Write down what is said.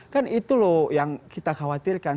kan itu loh yang kita khawatirkan